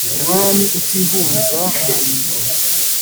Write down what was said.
umwami utihunza mu mihigo